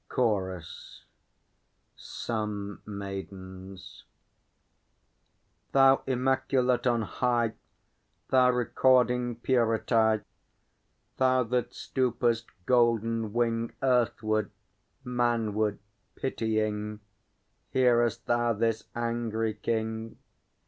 _ CHORUS. Some Maidens. Thou Immaculate on high; Thou Recording Purity; Thou that stoopest, Golden Wing, Earthward, manward, pitying, Hearest thou this angry King?